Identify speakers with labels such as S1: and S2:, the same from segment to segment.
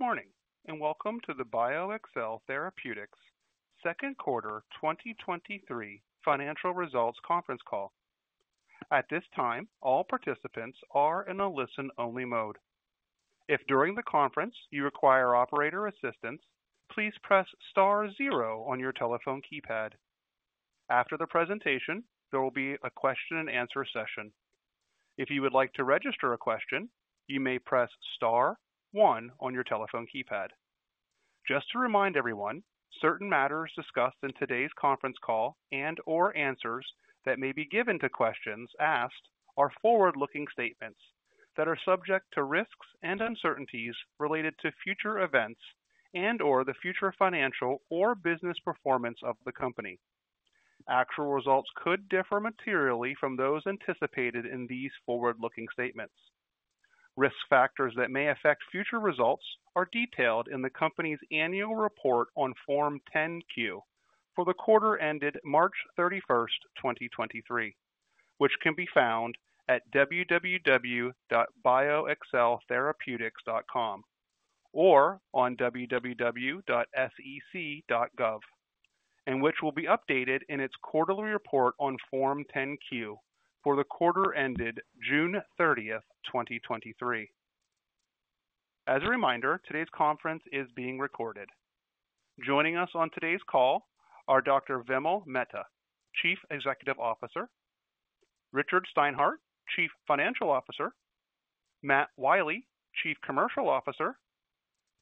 S1: Good morning, welcome to the BioXcel Therapeutics second quarter 2023 financial results conference call. At this time, all participants are in a listen-only mode. If during the conference you require operator assistance, please press star zero on your telephone keypad. After the presentation, there will be a question-and-answer session. If you would like to register a question, you may press star one on your telephone keypad. Just to remind everyone, certain matters discussed in today's conference call and/or answers that may be given to questions asked are forward-looking statements that are subject to risks and uncertainties related to future events and/or the future financial or business performance of the company. Actual results could differ materially from those anticipated in these forward-looking statements. Risk factors that may affect future results are detailed in the company's annual report on Form 10-Q for the quarter ended March 31, 2023, which can be found at www.bioxceltherapeutics.com or on www.sec.gov, and which will be updated in its quarterly report on Form 10-Q for the quarter ended June 30, 2023. As a reminder, today's conference is being recorded. Joining us on today's call are Dr. Vimal Mehta, Chief Executive Officer, Richard Steinhart, Chief Financial Officer, Matt Wiley, Chief Commercial Officer,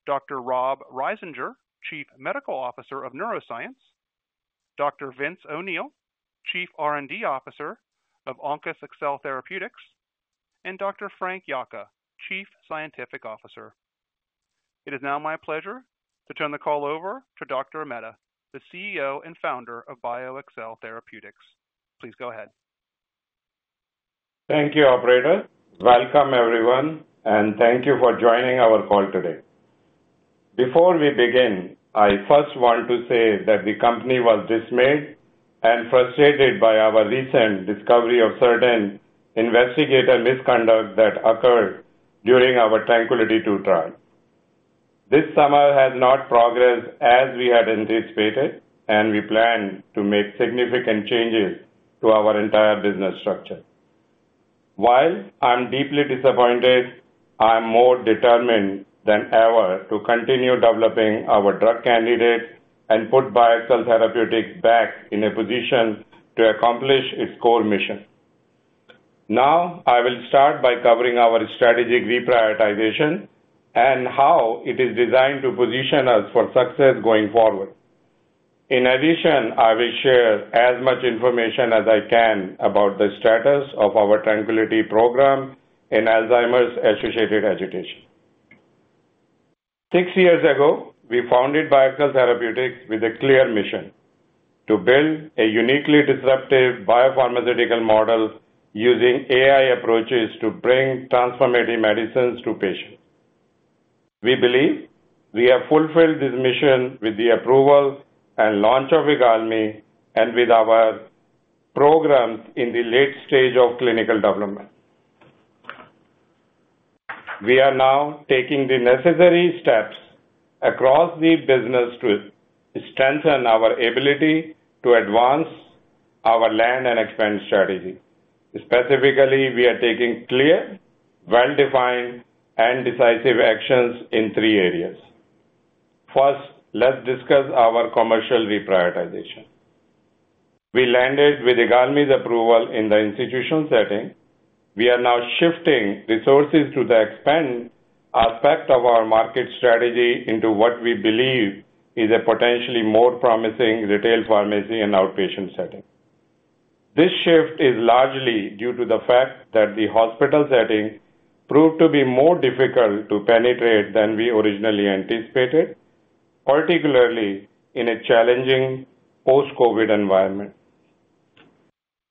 S1: Dr. Rob Risinger, Chief Medical Officer of Neuroscience, Dr. Vince O'Neill, Chief R&D Officer of OnkosXcel Therapeutics, and Dr. Frank Yocca, Chief Scientific Officer. It is now my pleasure to turn the call over to Dr. Mehta, the CEO and founder of BioXcel Therapeutics. Please go ahead.
S2: Thank you, operator. Welcome, everyone, and thank you for joining our call today. Before we begin, I first want to say that the company was dismayed and frustrated by our recent discovery of certain investigator misconduct that occurred during our TRANQUILITY II trial. This summer has not progressed as we had anticipated, and we plan to make significant changes to our entire business structure. While I'm deeply disappointed, I am more determined than ever to continue developing our drug candidates and put BioXcel Therapeutics back in a position to accomplish its core mission. I will start by covering our strategic reprioritization and how it is designed to position us for success going forward. In addition, I will share as much information as I can about the status of our TRANQUILITY program in Alzheimer's associated agitation. Six years ago, we founded BioXcel Therapeutics with a clear mission: to build a uniquely disruptive biopharmaceutical model using AI approaches to bring transformative medicines to patients. We believe we have fulfilled this mission with the approval and launch of IGALMI and with our programs in the late stage of clinical development. We are now taking the necessary steps across the business to strengthen our ability to advance our land and expand strategy. Specifically, we are taking clear, well-defined, and decisive actions in 3 areas. First, let's discuss our commercial reprioritization. We landed with IGALMI's approval in the institutional setting. We are now shifting resources to the expand aspect of our market strategy into what we believe is a potentially more promising retail pharmacy and outpatient setting. This shift is largely due to the fact that the hospital setting proved to be more difficult to penetrate than we originally anticipated, particularly in a challenging post-COVID environment.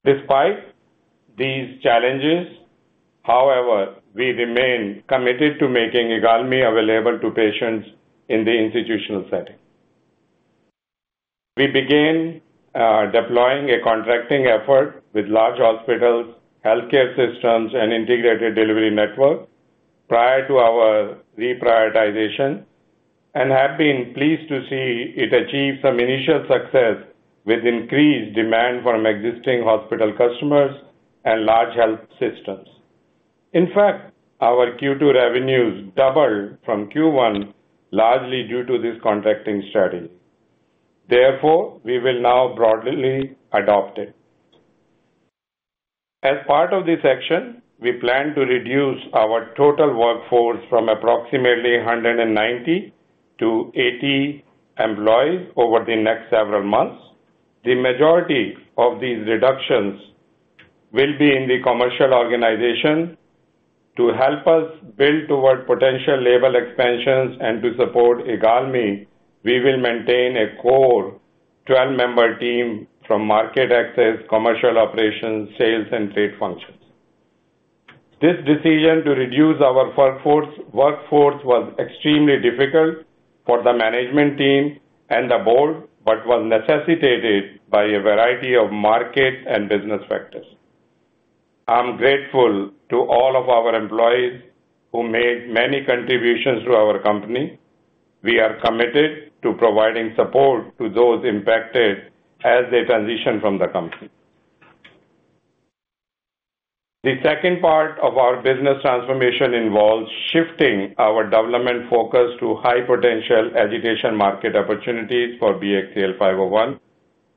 S2: Despite these challenges, however, we remain committed to making IGALMI available to patients in the institutional setting. We began deploying a contracting effort with large hospitals, healthcare systems, and integrated delivery networks prior to our reprioritization and have been pleased to see it achieve some initial success with increased demand from existing hospital customers and large health systems. In fact, our Q2 revenues doubled from Q1, largely due to this contracting strategy. Therefore, we will now broadly adopt it. As part of this action, we plan to reduce our total workforce from approximately 190 to 80 employees over the next several months. The majority of these reductions will be in the commercial organization. To help us build toward potential label expansions and to support IGALMI, we will maintain a core 12-member team from market access, commercial operations, sales, and trade functions. This decision to reduce our workforce was extremely difficult for the management team and the board, but was necessitated by a variety of market and business factors. I'm grateful to all of our employees who made many contributions to our company. We are committed to providing support to those impacted as they transition from the company. The second part of our business transformation involves shifting our development focus to high potential agitation market opportunities for BXCL501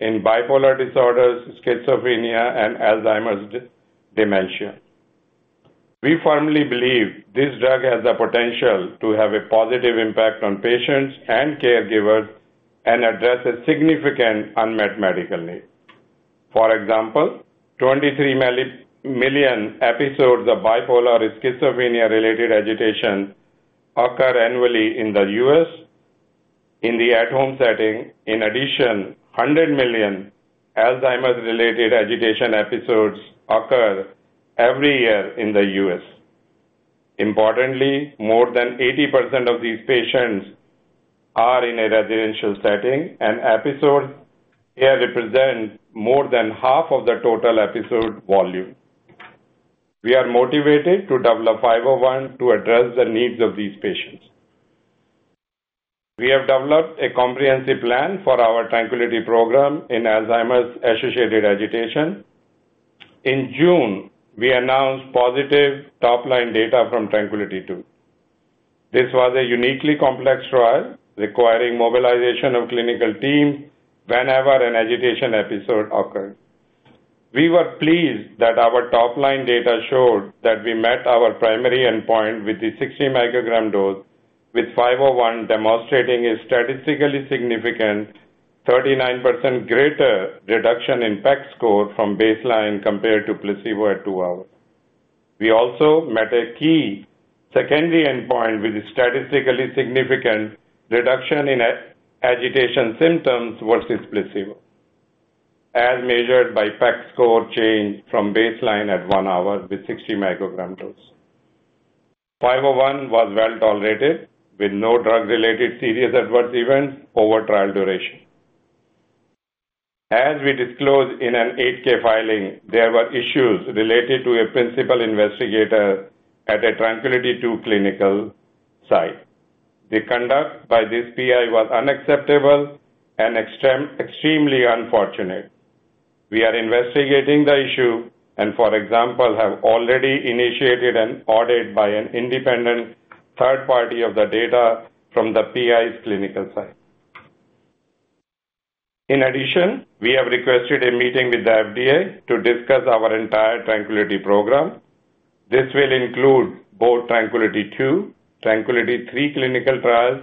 S2: in bipolar disorders, schizophrenia, and Alzheimer's dementia. We firmly believe this drug has the potential to have a positive impact on patients and caregivers, and address a significant unmet medical need. For example, 23 million episodes of bipolar and schizophrenia-related agitation occur annually in the U.S., in the at-home setting. 100 million Alzheimer's-related agitation episodes occur every year in the U.S. Importantly, more than 80% of these patients are in a residential setting, and episodes here represent more than half of the total episode volume. We are motivated to develop five oh one to address the needs of these patients. We have developed a comprehensive plan for our TRANQUILITY program in Alzheimer's-associated agitation. In June, we announced positive top-line data from TRANQUILITY II. This was a uniquely complex trial, requiring mobilization of clinical teams whenever an agitation episode occurred. We were pleased that our top-line data showed that we met our primary endpoint with the 60 mcg dose, with BXCL501 demonstrating a statistically significant 39% greater reduction in PEC score from baseline compared to placebo at 2 hours. We also met a key secondary endpoint with a statistically significant reduction in agitation symptoms versus placebo, as measured by PEC score change from baseline at 1 hour with 60 mcg dose. BXCL501 was well-tolerated, with no drug-related serious adverse events over trial duration. As we disclosed in an 8-K filing, there were issues related to a principal investigator at a TRANQUILITY II clinical site. The conduct by this PI was unacceptable and extremely unfortunate. We are investigating the issue and, for example, have already initiated an audit by an independent third party of the data from the PI's clinical site. In addition, we have requested a meeting with the FDA to discuss our entire TRANQUILITY program. This will include both TRANQUILITY II, TRANQUILITY III clinical trials,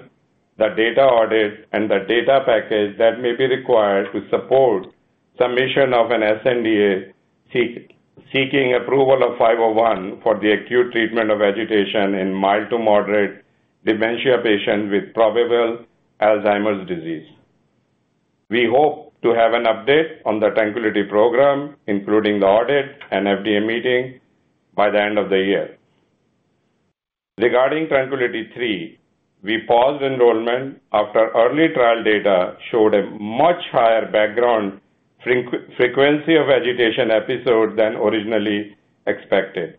S2: the data audit, and the data package that may be required to support submission of an sNDA seeking approval of BXCL501 for the acute treatment of agitation in mild to moderate dementia patients with probable Alzheimer's disease. We hope to have an update on the TRANQUILITY program, including the audit and FDA meeting, by the end of the year. Regarding TRANQUILITY III, we paused enrollment after early trial data showed a much higher background frequency of agitation episodes than originally expected.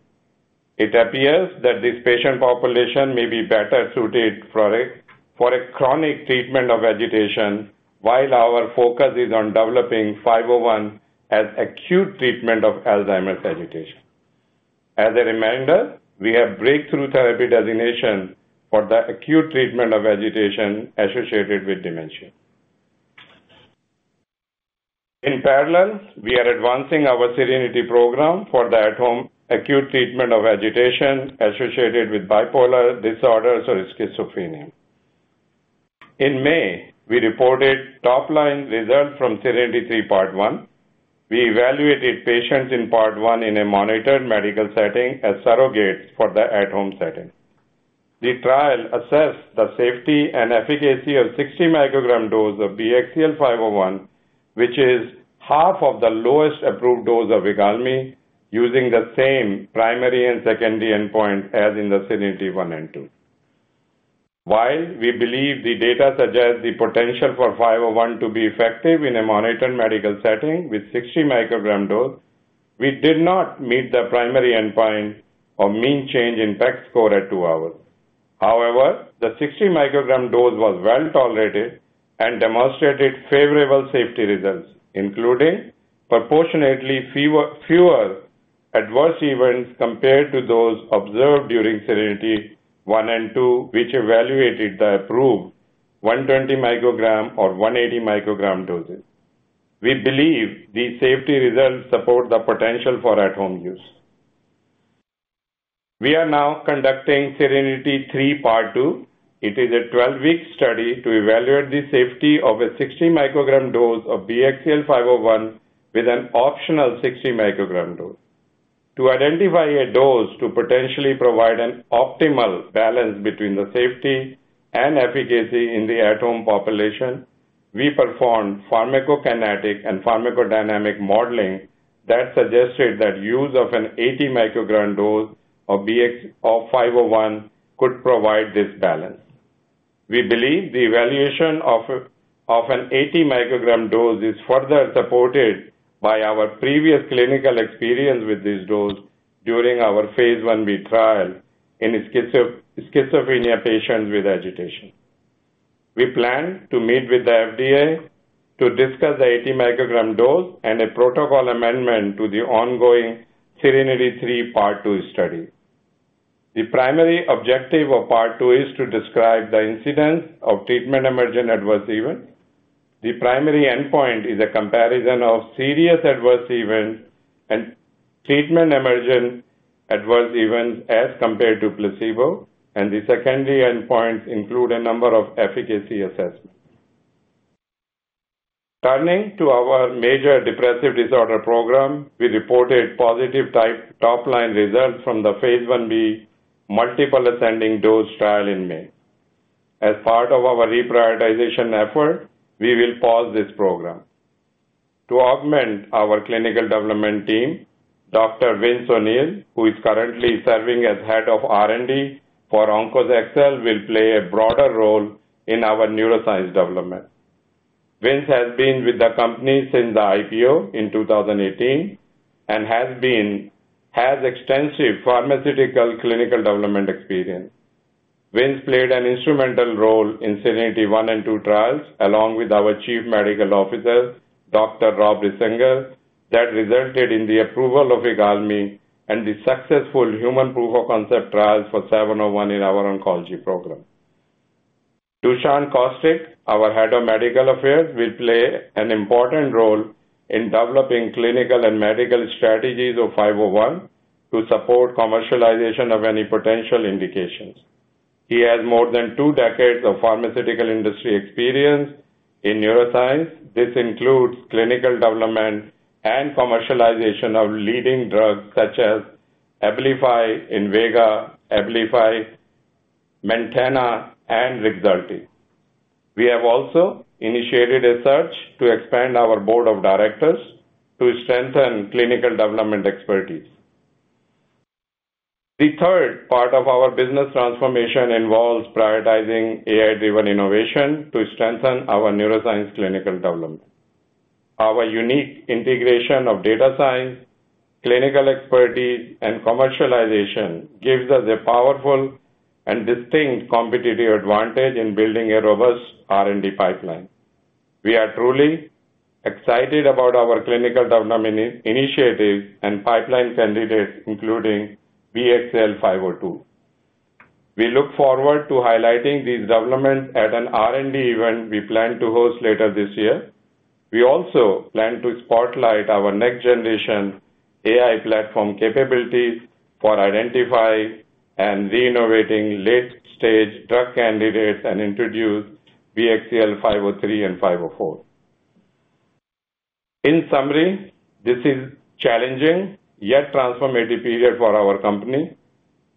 S2: It appears that this patient population may be better suited for a chronic treatment of agitation, while our focus is on developing BXCL501 as acute treatment of Alzheimer's agitation. As a reminder, we have Breakthrough Therapy Designation for the acute treatment of agitation associated with dementia. In parallel, we are advancing our SERENITY program for the at-home acute treatment of agitation associated with bipolar disorders or schizophrenia. In May, we reported top-line results from SERENITY III Part 1. We evaluated patients in Part 1 in a monitored medical setting as surrogates for the at-home setting. The trial assessed the safety and efficacy of 60 mcg dose of BXCL501, which is half of the lowest approved dose of IGALMI, using the same primary and secondary endpoint as in the SERENITY I and II. While we believe the data suggests the potential for BXCL501 to be effective in a monitored medical setting with 60 mcg dose, we did not meet the primary endpoint of mean change in PEC score at 2 hours. However, the 60 mcg dose was well-tolerated and demonstrated favorable safety results, including proportionately fewer, fewer adverse events compared to those observed during SERENITY I and II, which evaluated the approved 120 mcg or 180 mcg doses. We believe these safety results support the potential for at-home use. We are now conducting SERENITY III Part 2. It is a 12-week study to evaluate the safety of a 60 mcg dose of BXCL501 with an optional 60 mcg dose. To identify a dose to potentially provide an optimal balance between the safety and efficacy in the at-home population, we performed pharmacokinetic and pharmacodynamic modeling that suggested that use of an 80 mcg dose of BXCL501 could provide this balance.... We believe the evaluation of an 80 mcg dose is further supported by our previous clinical experience with this dose during our Phase Ib trial in schizophrenia patients with agitation. We plan to meet with the FDA to discuss the 80 mcg dose and a protocol amendment to the ongoing SERENITY III Part 2 study. The primary objective of Part 2 is to describe the incidence of Treatment-Emergent Adverse Events. The primary endpoint is a comparison of serious adverse events and Treatment-Emergent Adverse Events as compared to placebo. The secondary endpoints include a number of efficacy assessments. Turning to our major depressive disorder program, we reported positive top-line results from the Phase Ib multiple ascending dose trial in May. As part of our reprioritization effort, we will pause this program. To augment our clinical development team, Dr. Vince O'Neill, who is currently serving as Head of R&D for OnkosXcel, will play a broader role in our neuroscience development. Vince has been with the company since the IPO in 2018, and has extensive pharmaceutical clinical development experience. Vince played an instrumental role in SERENITY I and II trials, along with our Chief Medical Officer, Dr. Rob Risinger, that resulted in the approval of IGALMI and the successful human proof-of-concept trials for Seven oh one in our oncology program. Dusan Kostic, our Head of Medical Affairs, will play an important role in developing clinical and medical strategies of Five oh one to support commercialization of any potential indications. He has more than 2 decades of pharmaceutical industry experience in neuroscience. This includes clinical development and commercialization of leading drugs such as Abilify, Invega, Abilify Maintena, and Rexulti. We have also initiated a search to expand our board of directors to strengthen clinical development expertise. The third part of our business transformation involves prioritizing AI-driven innovation to strengthen our neuroscience clinical development. Our unique integration of data science, clinical expertise, and commercialization gives us a powerful and distinct competitive advantage in building a robust R&D pipeline. We are truly excited about our clinical development initiative and pipeline candidates, including BXCL502. We look forward to highlighting these developments at an R&D event we plan to host later this year. We also plan to spotlight our next generation AI platform capabilities for identifying and re-innovating late-stage drug candidates and introduce BXCL503 and 504. In summary, this is challenging, yet transformative period for our company.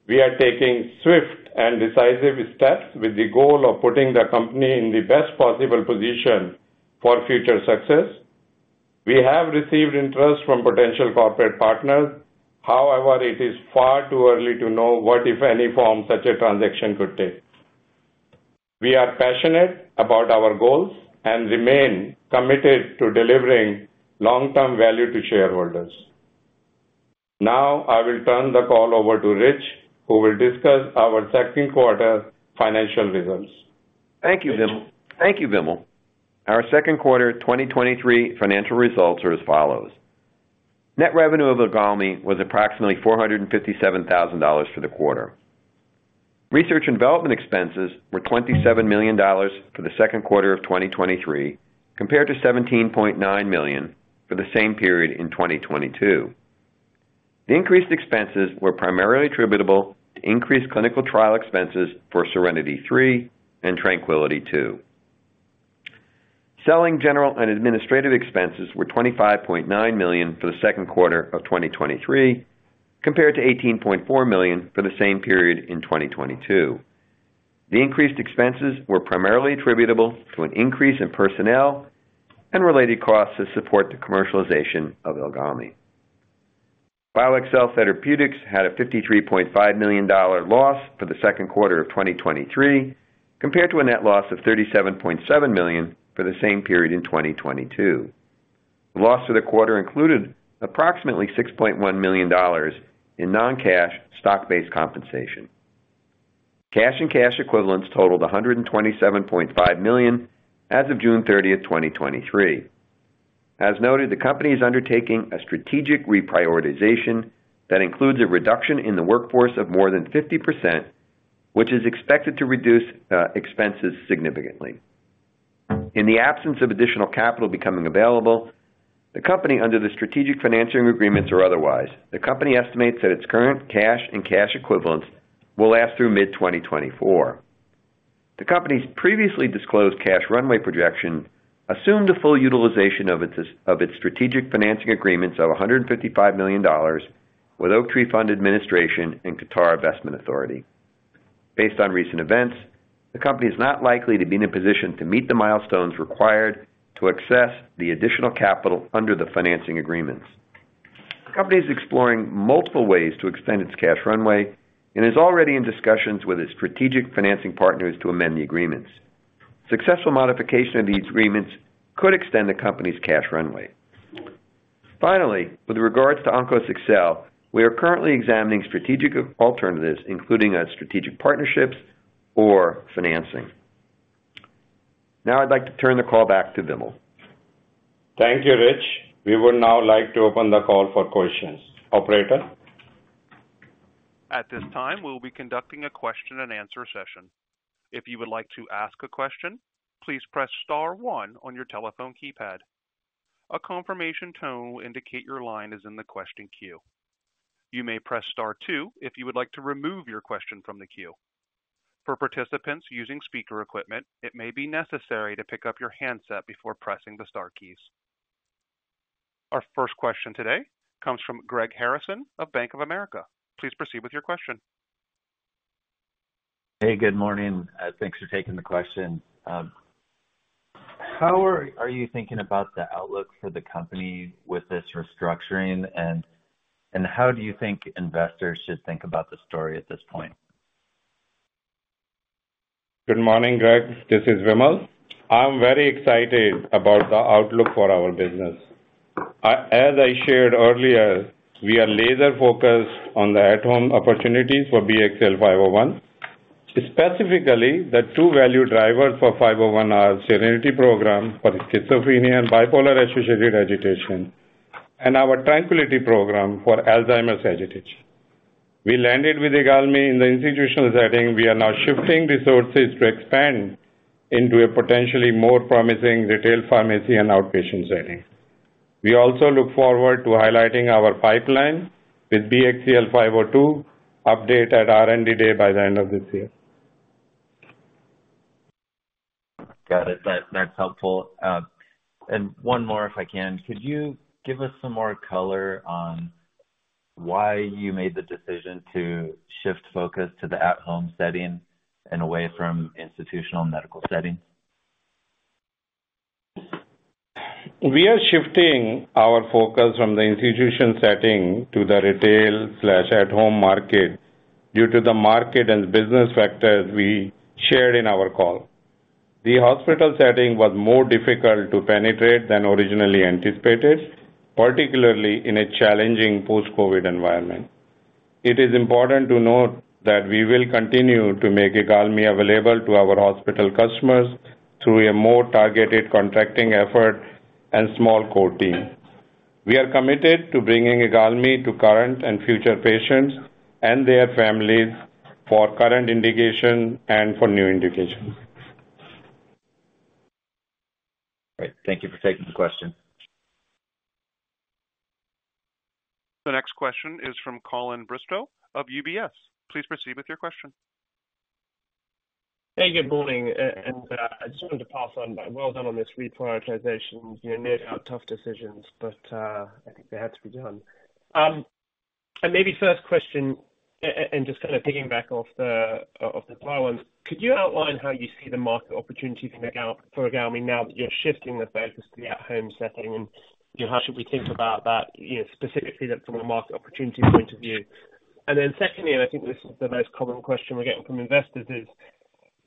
S2: We are taking swift and decisive steps with the goal of putting the company in the best possible position for future success. We have received interest from potential corporate partners. However, it is far too early to know what, if any, form such a transaction could take. We are passionate about our goals and remain committed to delivering long-term value to shareholders. I will turn the call over to Rich, who will discuss our second quarter financial results.
S3: Thank you, Vimal. Thank you, Vimal. Our second quarter 2023 financial results are as follows: Net revenue of IGALMI was approximately $457,000 for the quarter. Research and development expenses were $27 million for the second quarter of 2023, compared to $17.9 million for the same period in 2022. The increased expenses were primarily attributable to increased clinical trial expenses for SERENITY III and TRANQUILITY II. Selling, General and Administrative expenses were $25.9 million for the second quarter of 2023, compared to $18.4 million for the same period in 2022. The increased expenses were primarily attributable to an increase in personnel and related costs to support the commercialization of IGALMI. BioXcel Therapeutics had a $53.5 million loss for the second quarter of 2023, compared to a net loss of $37.7 million for the same period in 2022. The loss for the quarter included approximately $6.1 million in non-cash stock-based compensation. Cash and cash equivalents totaled $127.5 million as of June 30th, 2023. As noted, the company is undertaking a strategic reprioritization that includes a reduction in the workforce of more than 50%, which is expected to reduce expenses significantly. In the absence of additional capital becoming available, the company, under the strategic financing agreements or otherwise, the company estimates that its current cash and cash equivalents will last through mid-2024. The company's previously disclosed cash runway projection assumed a full utilization of its strategic financing agreements of $155 million with Oaktree Fund Administration and Qatar Investment Authority. Based on recent events, the company is not likely to be in a position to meet the milestones required to access the additional capital under the financing agreements. The company is exploring multiple ways to extend its cash runway and is already in discussions with its strategic financing partners to amend the agreements. Successful modification of these agreements could extend the company's cash runway. Finally, with regards to OnkosXcel, we are currently examining strategic alternatives, including, strategic partnerships or financing. Now I'd like to turn the call back to Vimal.
S2: Thank you, Rich. We would now like to open the call for questions. Operator?
S1: At this time, we will be conducting a question-and-answer session. If you would like to ask a question, please press star one on your telephone keypad. A confirmation tone will indicate your line is in the question queue. You may press star two if you would like to remove your question from the queue. For participants using speaker equipment, it may be necessary to pick up your handset before pressing the star keys. Our first question today comes from Greg Harrison of Bank of America. Please proceed with your question.
S4: Hey, good morning. Thanks for taking the question. How are you thinking about the outlook for the company with this restructuring? How do you think investors should think about the story at this point?
S2: Good morning, Greg. This is Vimal. I'm very excited about the outlook for our business. As I shared earlier, we are laser-focused on the at-home opportunities for BXCL501. Specifically, the 2 value drivers for 501 are SERENITY program for schizophrenia and bipolar associated agitation, and our TRANQUILITY program for Alzheimer's agitation. We landed with IGALMI in the institutional setting. We are now shifting resources to expand into a potentially more promising retail pharmacy and outpatient setting. We also look forward to highlighting our pipeline with BXCL502 update at R&D Day by the end of this year.
S4: Got it. That, that's helpful. One more, if I can: Could you give us some more color on why you made the decision to shift focus to the at-home setting and away from institutional medical settings?
S2: We are shifting our focus from the institution setting to the retail slash at-home market due to the market and business factors we shared in our call. The hospital setting was more difficult to penetrate than originally anticipated, particularly in a challenging post-COVID environment. It is important to note that we will continue to make IGALMI available to our hospital customers through a more targeted contracting effort and small core team. We are committed to bringing IGALMI to current and future patients and their families for current indication and for new indications.
S4: Great. Thank you for taking the question.
S1: The next question is from Colin Bristow of UBS. Please proceed with your question.
S5: Hey, good morning. I just wanted to pass on, well done on this reprioritization. You made tough decisions, but I think they had to be done. Maybe first question, and just kind of piggyback off the prior one, could you outline how you see the market opportunity for IGAL- for IGALMI now that you're shifting the focus to the at-home setting? You know, how should we think about that, you know, specifically from a market opportunity point of view? Then secondly, and I think this is the most common question we're getting from investors, is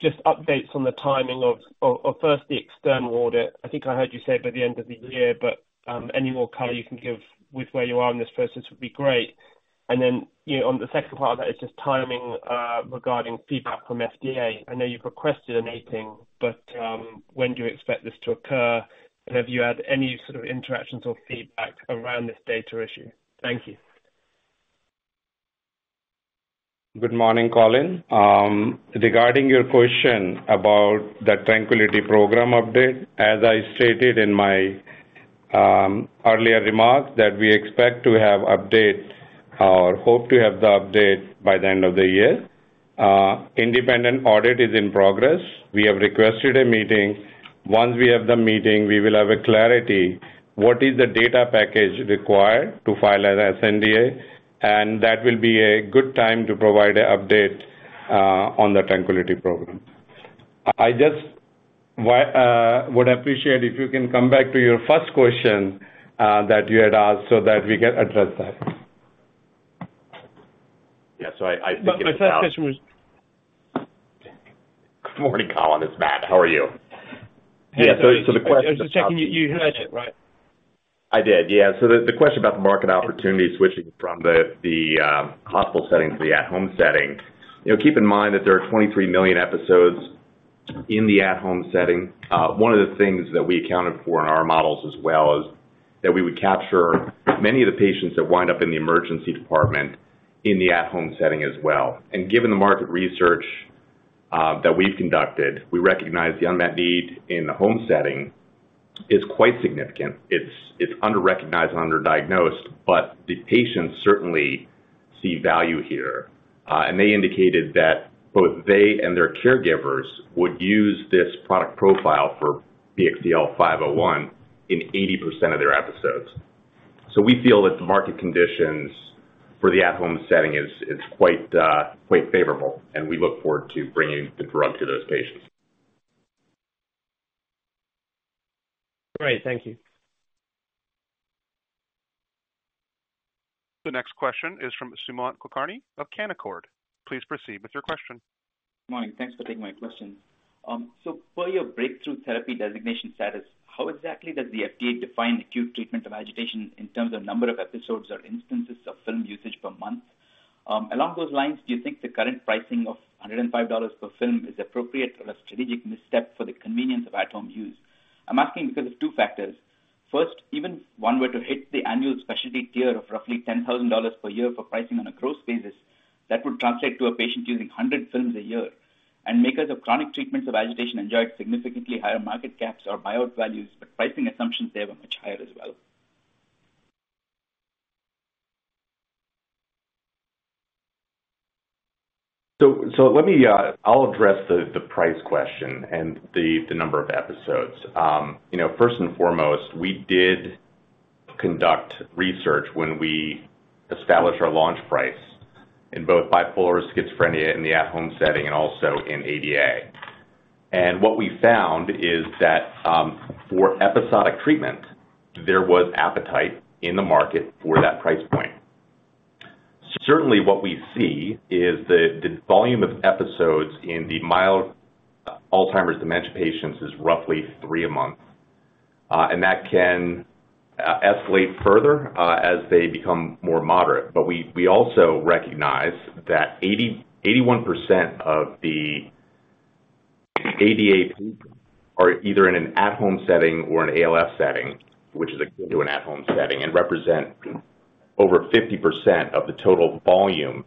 S5: just updates on the timing of, firstly, external audit. I think I heard you say by the end of the year, but any more color you can give with where you are in this process would be great. Then, you know, on the second part of that is just timing, regarding feedback from FDA. I know you've requested a meeting, but, when do you expect this to occur? Have you had any sort of interactions or feedback around this data issue? Thank you.
S2: Good morning, Colin. Regarding your question about the TRANQUILITY program update, as I stated in my earlier remarks, that we expect to have updates or hope to have the update by the end of the year. Independent audit is in progress. We have requested a meeting. Once we have the meeting, we will have a clarity, what is the data package required to file an sNDA, and that will be a good time to provide an update on the TRANQUILITY program. I just would appreciate if you can come back to your first question that you had asked so that we can address that.
S6: Yeah, I think.
S5: My first question was-
S6: Good morning, Colin, it's Matt. How are you? Yeah, the question-
S5: I was just checking you, you heard it, right?
S6: I did. Yeah. The, the question about the market opportunity switching from the, the hospital setting to the at-home setting. You know, keep in mind that there are 23 million episodes in the at-home setting. One of the things that we accounted for in our models as well is that we would capture many of the patients that wind up in the emergency department in the at-home setting as well. Given the market research that we've conducted, we recognize the unmet need in the home setting is quite significant. It's, it's underrecognized and underdiagnosed, but the patients certainly see value here. They indicated that both they and their caregivers would use this product profile for BXCL501 in 80% of their episodes. we feel that the market conditions for the at-home setting is, is quite, quite favorable, and we look forward to bringing the drug to those patients.
S5: Great. Thank you.
S1: The next question is from Sumant Kulkarni of Canaccord. Please proceed with your question.
S7: Morning. Thanks for taking my question. So per your Breakthrough Therapy Designation status, how exactly does the FDA define acute treatment of agitation in terms of number of episodes or instances of film usage per month? Along those lines, do you think the current pricing of $105 per film is appropriate or a strategic misstep for the convenience of at-home use? I'm asking because of two factors. First, even one way to hit the annual specialty tier of roughly $10,000 per year for pricing on a gross basis, that would translate to a patient using 100 films a year. Makers of chronic treatments of agitation enjoyed significantly higher market caps or buyout values, but pricing assumptions, they were much higher as well.
S6: Let me, I'll address the price question and the number of episodes. You know, first and foremost, we did conduct research when we established our launch price in both bipolar schizophrenia in the at-home setting and also in ADA. What we found is that for episodic treatment, there was appetite in the market for that price point. Certainly, what we see is that the volume of episodes in the mild Alzheimer's dementia patients is roughly 3 a month, and that can escalate further as they become more moderate. We also recognize that 81% of the ADA are either in an at-home setting or an ALF setting, which is akin to an at-home setting, and represent over 50% of the total volume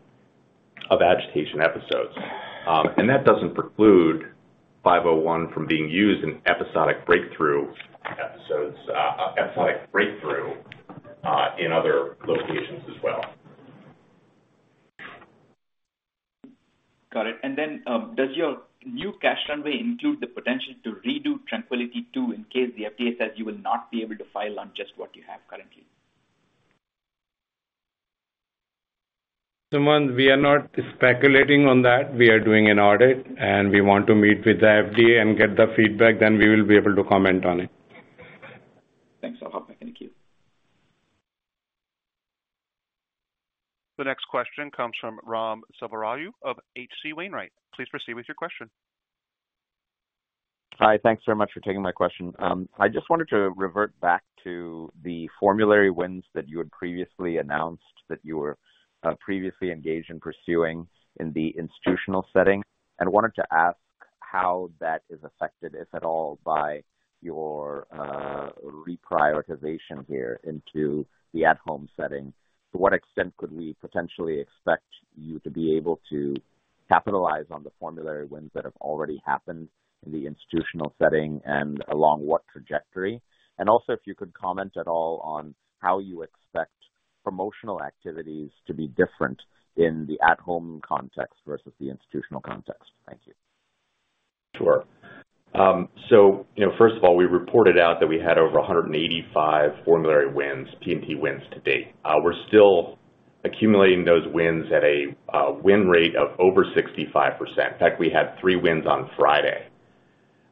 S6: of agitation episodes. That doesn't preclude 501 from being used in episodic breakthrough episodes, episodic breakthrough, in other locations as well.
S7: Got it. Does your new cash runway include the potential to redo TRANQUILITY II in case the FDA says you will not be able to file on just what you have currently?
S2: Sumant, we are not speculating on that. We are doing an audit, and we want to meet with the FDA and get the feedback, then we will be able to comment on it.
S7: Thanks a lot. Thank you.
S1: The next question comes from Ram Selvaraju of H.C. Wainwright. Please proceed with your question.
S8: Hi, thanks so much for taking my question. I just wanted to revert back to the formulary wins that you had previously announced, that you were previously engaged in pursuing in the institutional setting. Wanted to ask how that is affected, if at all, by your reprioritization here into the at-home setting. To what extent could we potentially expect you to be able to capitalize on the formulary wins that have already happened in the institutional setting, and along what trajectory? Also, if you could comment at all on how you expect promotional activities to be different in the at-home context versus the institutional context. Thank you.
S6: Sure. You know, first of all, we reported out that we had over 185 formulary wins, P&T wins to date. We're still accumulating those wins at a win rate of over 65%. In fact, we had three wins on Friday.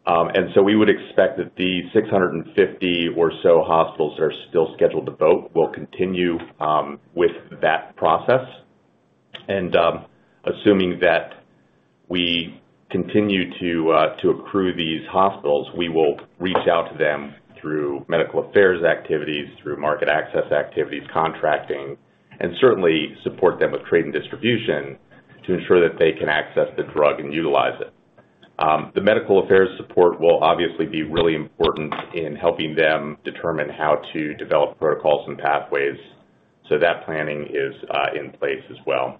S6: We would expect that the 650 or so hospitals are still scheduled to vote. We'll continue with that process. Assuming that we continue to accrue these hospitals, we will reach out to them through medical affairs activities, through market access activities, contracting, and certainly support them with trade and distribution to ensure that they can access the drug and utilize it. The medical affairs support will obviously be really important in helping them determine how to develop protocols and pathways, so that planning is in place as well.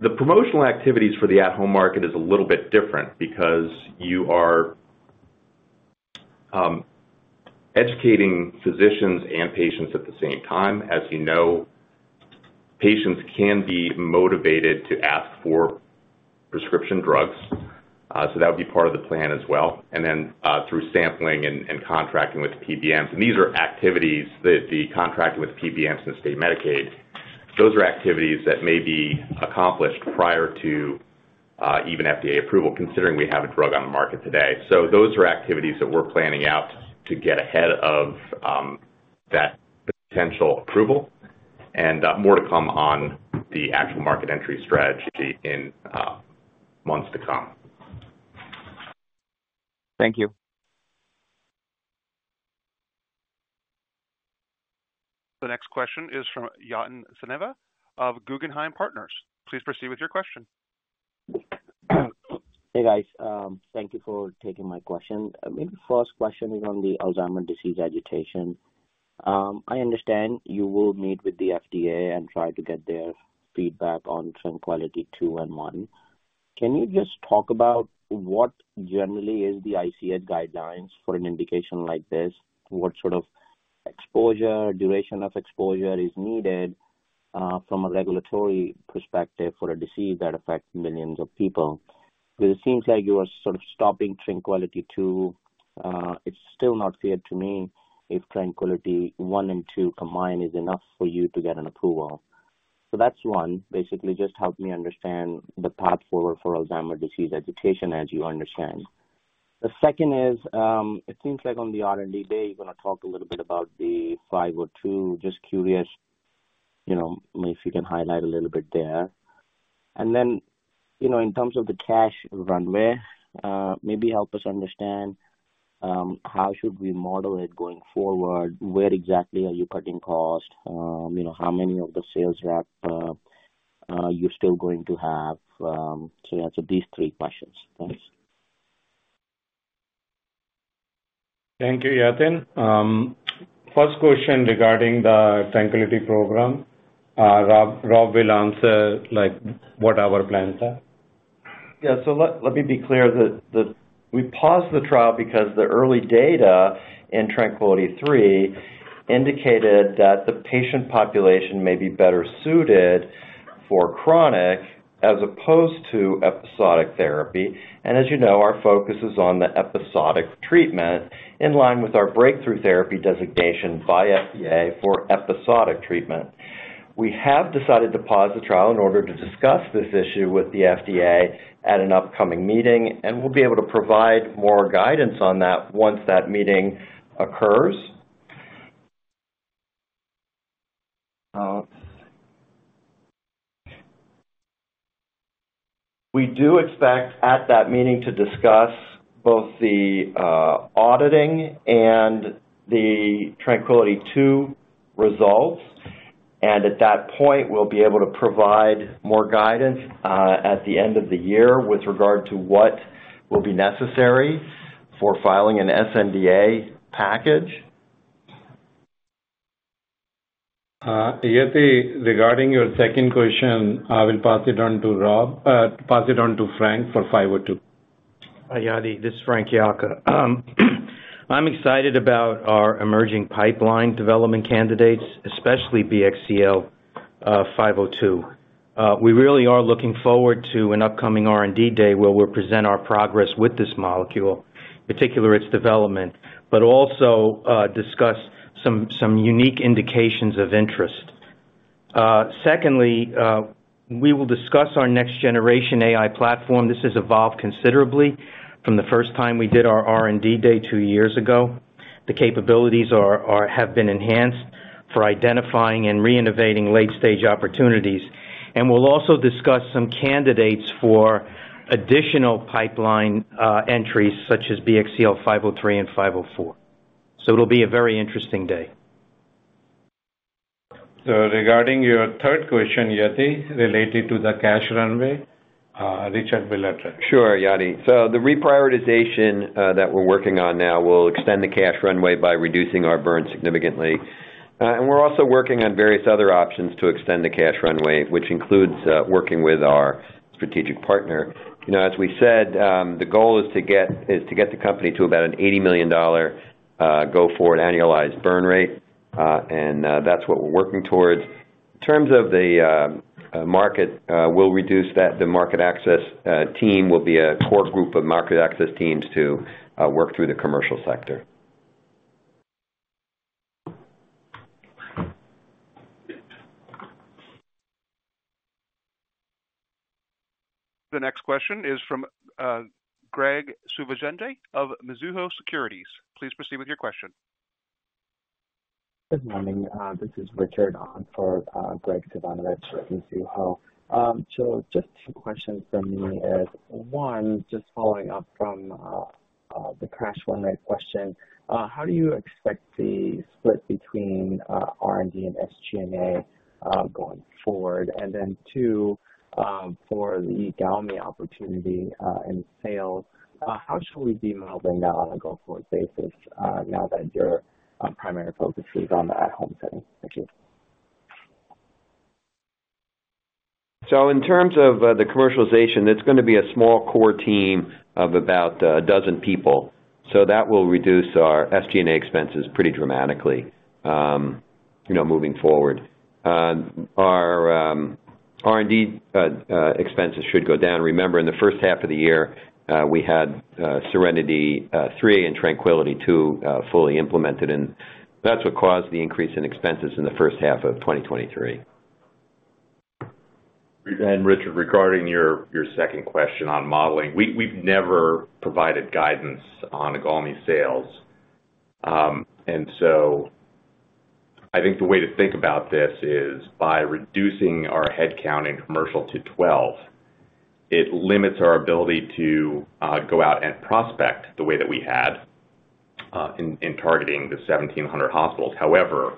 S6: The promotional activities for the at-home market is a little bit different because you are educating physicians and patients at the same time. As you know, patients can be motivated to ask for prescription drugs, so that would be part of the plan as well, and then through sampling and contracting with PBMs. These are activities that the contract with PBMs and state Medicaid, those are activities that may be accomplished prior to even FDA approval, considering we have a drug on the market today. Those are activities that we're planning out to get ahead of that potential approval, and more to come on the actual market entry strategy in months to come.
S8: Thank you.
S1: The next question is from Yatin Suneja of Guggenheim Partners. Please proceed with your question.
S9: Hey, guys. Thank you for taking my question. I mean, the first question is on the Alzheimer's disease agitation. I understand you will meet with the FDA and try to get their feedback on TRANQUILITY II and I. Can you just talk about what generally is the ICF guidelines for an indication like this? What sort of exposure, duration of exposure is needed from a regulatory perspective for a disease that affects millions of people? Because it seems like you are sort of stopping TRANQUILITY II. It's still not clear to me if TRANQUILITY I and II combined is enough for you to get an approval. That's 1. Basically, just help me understand the path forward for Alzheimer's disease agitation as you understand. The second is, it seems like on the R&D day, you're gonna talk a little bit about the BXCL502. Just curious, you know, maybe if you can highlight a little bit there. You know, in terms of the cash runway, maybe help us understand, how should we model it going forward? Where exactly are you cutting costs? You know, how many of the sales rep, you're still going to have? Yeah, so these three questions. Thanks.
S6: Thank you, Yatin. First question regarding the TRANQUILITY program. Rob, Rob will answer, like, what our plans are.
S10: Yeah. So let, let me be clear that, that we paused the trial because the early data in TRANQUILITY III indicated that the patient population may be better suited for chronic as opposed to episodic therapy. As you know, our focus is on the episodic treatment, in line with our Breakthrough Therapy Designation by FDA for episodic treatment. We have decided to pause the trial in order to discuss this issue with the FDA at an upcoming meeting, and we'll be able to provide more guidance on that once that meeting occurs. We do expect, at that meeting, to discuss both the auditing and the TRANQUILITY II results, and at that point, we'll be able to provide more guidance at the end of the year with regard to what will be necessary for filing an sNDA package.
S2: Yati, regarding your second question, I will pass it on to Rob, pass it on to Frank for BXCL502.
S11: Hi, Yati, this is Frank Yocca. I'm excited about our emerging pipeline development candidates, especially BXCL502. We really are looking forward to an upcoming R&D day, where we'll present our progress with this molecule, particular its development, but also, discuss some, some unique indications of interest. Secondly, we will discuss our next generation A.I. platform. This has evolved considerably from the first time we did our R&D day two years ago. The capabilities have been enhanced for identifying and reinnovating late-stage opportunities. We'll also discuss some candidates for additional pipeline entries such as BXCL503 and 504. It'll be a very interesting day.
S6: Regarding your third question, Yatin, related to the cash runway, Richard will address.
S3: Sure, Yatin. The reprioritization that we're working on now will extend the cash runway by reducing our burn significantly. We're also working on various other options to extend the cash runway, which includes working with our strategic partner. You know, as we said, the goal is to get, is to get the company to about an $80 million go-forward annualized burn rate. That's what we're working towards. In terms of the market, we'll reduce that. The market access team will be a core group of market access teams to work through the commercial sector.
S1: The next question is from, Graig Suvannavejh of Mizuho Securities. Please proceed with your question.
S12: Good morning. This is Richard on for Graig Suvannavejh at Mizuho. Just 2 questions from me is, 1, just following up from the crash one-night question. How do you expect the split between R&D and SG&A going forward? Then 2, for the IGALMI opportunity in sales, how should we be modeling that on a go-forward basis, now that your primary focus is on the at-home setting? Thank you.
S6: In terms of the commercialization, it's gonna be a small core team of about 12 people. That will reduce our SG&A expenses pretty dramatically, you know, moving forward. Our R&D expenses should go down. Remember, in the first half of the year, we had SERENITY III and TRANQUILITY II fully implemented, and that's what caused the increase in expenses in the first half of 2023. Richard, regarding your, your second question on modeling, we, we've never provided guidance on IGALMI sales. I think the way to think about this is by reducing our headcount in commercial to 12, it limits our ability to go out and prospect the way that we had in targeting the 1,700 hospitals. However,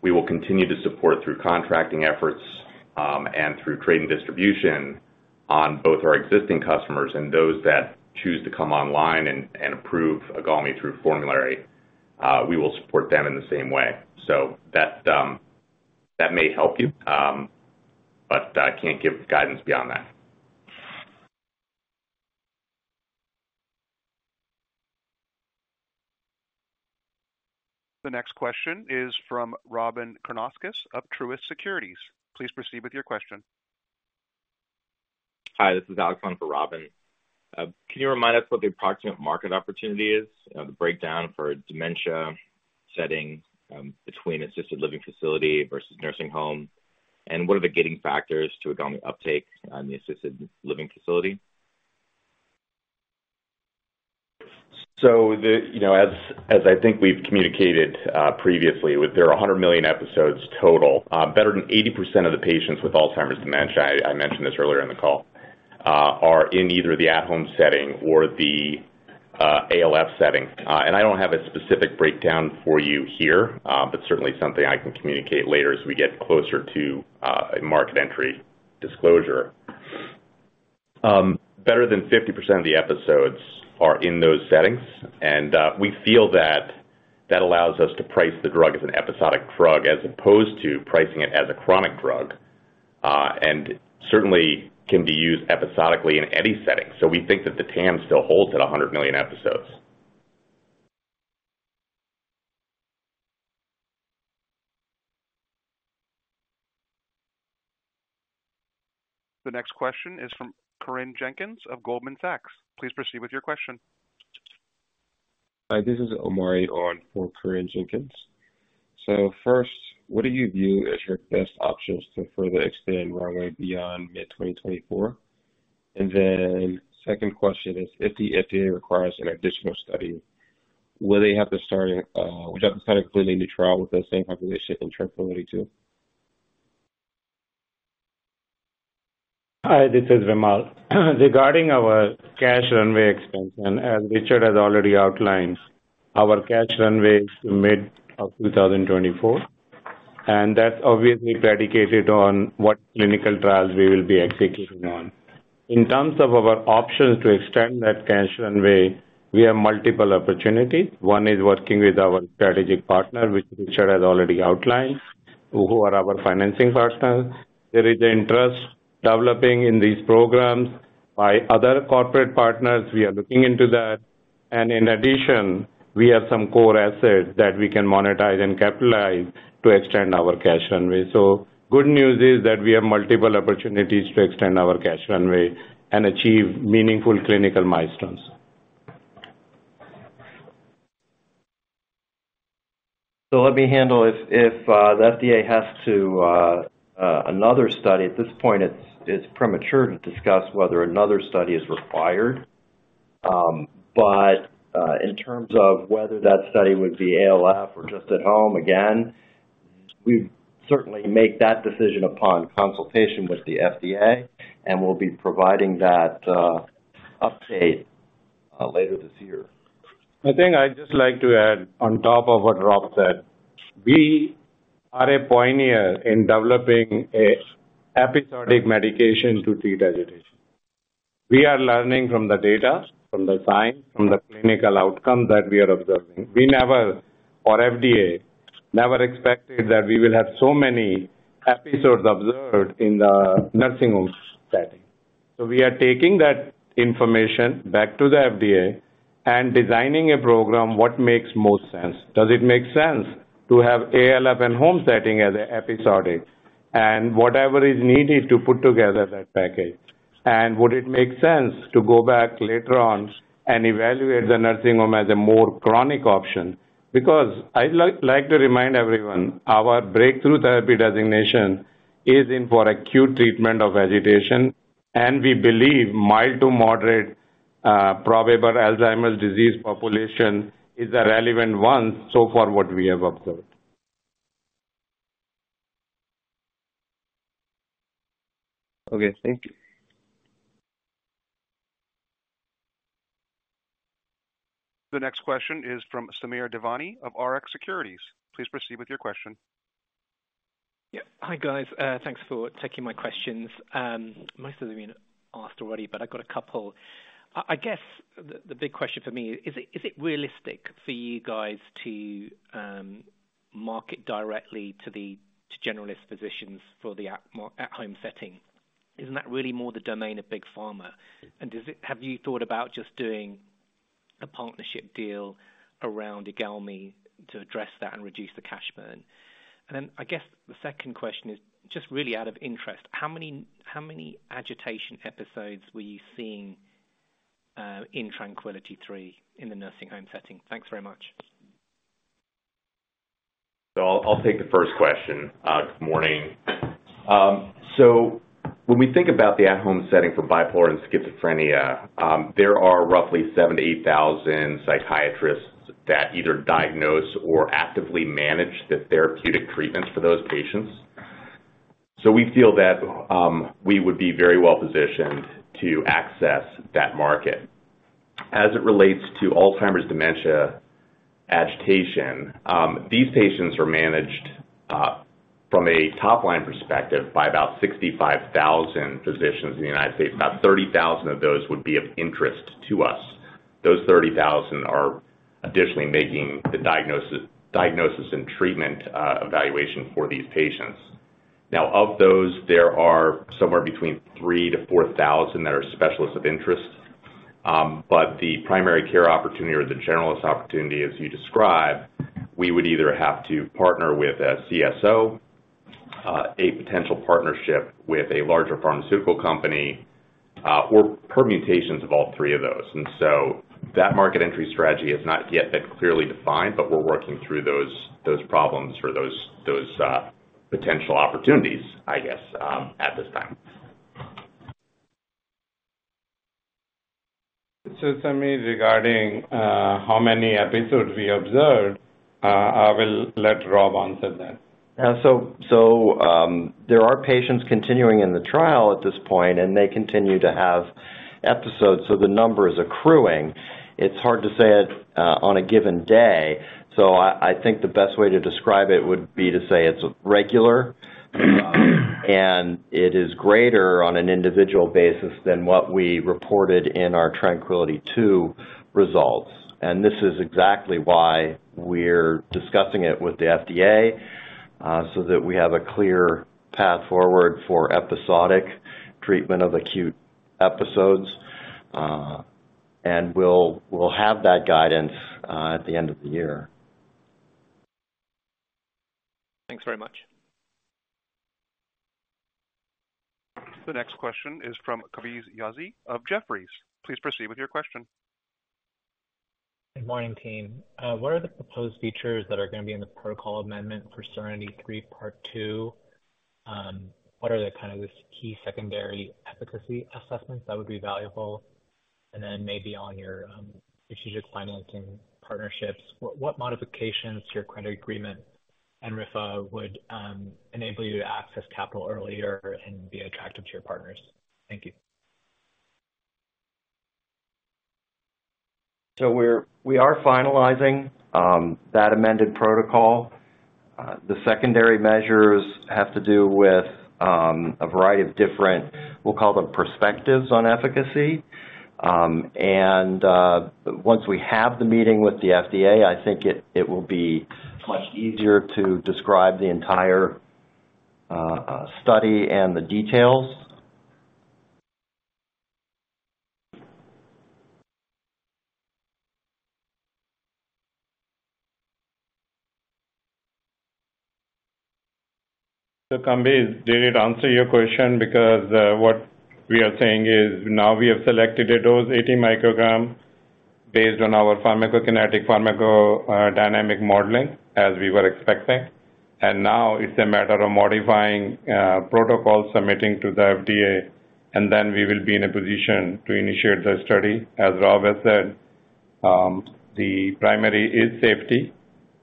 S6: we will continue to support through contracting efforts and through trade and distribution on both our existing customers and those that choose to come online and approve IGALMI through formulary. We will support them in the same way. That may help you, but I can't give guidance beyond that.
S1: The next question is from Robin Karnauskas of Truist Securities. Please proceed with your question.
S13: Hi, this is Alex, one for Robin. Can you remind us what the approximate market opportunity is? The breakdown for dementia setting, between Assisted Living Facility versus nursing home? What are the getting factors to a growing uptake on the Assisted Living Facility?
S3: The, you know, as, as I think we've communicated, previously, with there are 100 million episodes total, better than 80% of the patients with Alzheimer's dementia, I, I mentioned this earlier in the call, are in either the at-home setting or the ALF setting. I don't have a specific breakdown for you here, but certainly something I can communicate later as we get closer to a market entry disclosure. Better than 50% of the episodes are in those settings, and we feel that that allows us to price the drug as an episodic drug, as opposed to pricing it as a chronic drug. Certainly can be used episodically in any setting. We think that the TAM still holds at 100 million episodes.
S1: The next question is from Corinne Jenkins of Goldman Sachs. Please proceed with your question.
S14: Hi, this is Omahri on for Corinne Jenkins. First, what do you view as your best options to further extend runway beyond mid-2024? Second question is, if the FDA requires an additional study, will they have to start which episodic leading trial with the same population in Tranquility II?
S2: Hi, this is Vimal. Regarding our cash runway extension, as Richard has already outlined, our cash runway is mid of 2024, and that's obviously predicated on what clinical trials we will be executing on. In terms of our options to extend that cash runway, we have multiple opportunities. One is working with our strategic partner, which Richard has already outlined, who are our financing partners. There is interest developing in these programs by other corporate partners. We are looking into that, and in addition, we have some core assets that we can monetize and capitalize to extend our cash runway. Good news is that we have multiple opportunities to extend our cash runway and achieve meaningful clinical milestones.
S10: Let me handle it. If, if the FDA has to another study, at this point, it's, it's premature to discuss whether another study is required. But in terms of whether that study would be ALF or just at home, again, we'd certainly make that decision upon consultation with the FDA, and we'll be providing that update later this year.
S2: I think I'd just like to add on top of what Rob said, we are a pioneer in developing a episodic medication to treat agitation. We are learning from the data, from the science, from the clinical outcomes that we are observing. We never, or FDA, never expected that we will have so many episodes observed in the nursing home setting. We are taking that information back to the FDA and designing a program, what makes most sense. Does it make sense to have ALF and home setting as a episodic and whatever is needed to put together that package? Would it make sense to go back later on and evaluate the nursing home as a more chronic option? Because I'd like to remind everyone, our Breakthrough Therapy Designation is in for acute treatment of agitation, and we believe mild to moderate probable Alzheimer's disease population is a relevant one so far what we have observed.
S14: Okay, thank you.
S1: The next question is from Samir Devani of Rx Securities. Please proceed with your question.
S15: Yeah. Hi, guys. Thanks for taking my questions. Most have been asked already, but I've got a couple. I, I guess the, the big question for me is, is it realistic for you guys to market directly to the generalist physicians for the at mar- at-home setting? Isn't that really more the domain of big pharma? Does it... Have you thought about just doing a partnership deal around IGALMI to address that and reduce the cash burn? Then I guess the second question is just really out of interest, how many, how many agitation episodes were you seeing in TRANQUILITY III in the nursing home setting? Thanks very much.
S6: I'll, I'll take the first question. Good morning. When we think about the at-home setting for bipolar and schizophrenia, there are roughly 78,000 psychiatrists that either diagnose or actively manage the therapeutic treatments for those patients. We feel that we would be very well positioned to access that market. It relates to Alzheimer's, dementia, agitation, these patients are managed from a top-line perspective by about 65,000 physicians in the United States. About 30,000 of those would be of interest to us. Those 30,000 are additionally making the diagnosis, diagnosis and treatment evaluation for these patients. Of those, there are somewhere between 3,000-4,000 that are specialists of interest. The primary care opportunity or the generalist opportunity, as you described, we would either have to partner with a CSO, a potential partnership with a larger pharmaceutical company, or permutations of all three of those. That market entry strategy is not yet clearly defined, but we're working through those, those problems or those, those potential opportunities, I guess, at this time.
S2: For me, regarding, how many episodes we observed, I will let Rob answer that.
S10: Yeah. There are patients continuing in the trial at this point, and they continue to have episodes, so the number is accruing. It's hard to say it on a given day, so I, I think the best way to describe it would be to say it's regular, and it is greater on an individual basis than what we reported in our TRANQUILITY II results. This is exactly why we're discussing it with the FDA, so that we have a clear path forward for episodic treatment of acute episodes. We'll, we'll have that guidance at the end of the year.
S15: Thanks very much.
S1: The next question is from Kambiz Yazdi of Jefferies. Please proceed with your question.
S16: Good morning, team. What are the proposed features that are going to be in the protocol amendment for SERENITY III Part 2? What are the kind of the key secondary efficacy assessments that would be valuable? Then maybe on your strategic financing partnerships, what modifications to your credit agreement and RFA would enable you to access capital earlier and be attractive to your partners? Thank you.
S10: We are finalizing that amended protocol. The secondary measures have to do with a variety of different, we'll call them, perspectives on efficacy. Once we have the meeting with the FDA, I think it, it will be much easier to describe the entire study and the details.
S2: Kambiz, did it answer your question? Because, what we are saying is, now we have selected a dose 80 mcg, based on our pharmacokinetic pharmacodynamic modeling, as we were expecting, and now it's a matter of modifying, protocol, submitting to the FDA, and then we will be in a position to initiate the study. As Rob has said, the primary is safety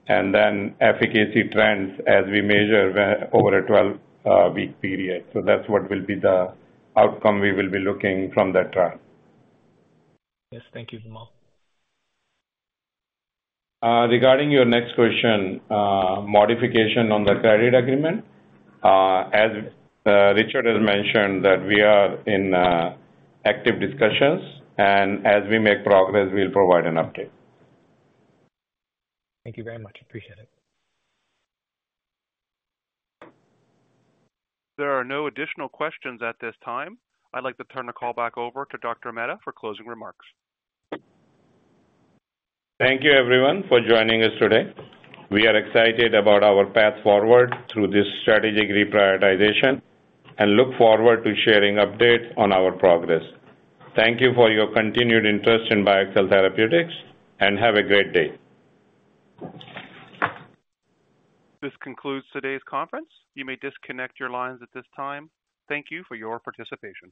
S2: and then efficacy trends as we measure the over a 12-week period. That's what will be the outcome we will be looking from that trial.
S16: Yes. Thank you, Vimal.
S2: Regarding your next question, modification on the credit agreement. As Richard has mentioned, that we are in active discussions, and as we make progress, we'll provide an update.
S16: Thank you very much. Appreciate it.
S1: There are no additional questions at this time. I'd like to turn the call back over to Dr. Mehta for closing remarks.
S2: Thank you, everyone, for joining us today. We are excited about our path forward through this strategic reprioritization and look forward to sharing updates on our progress. Thank you for your continued interest in BioXcel Therapeutics, and have a great day.
S1: This concludes today's conference. You may disconnect your lines at this time. Thank you for your participation.